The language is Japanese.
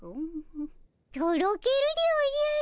とろけるでおじゃる。